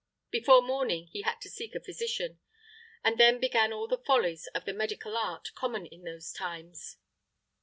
Before morning he had to seek a physician; and then began all the follies of the medical art, common in those times.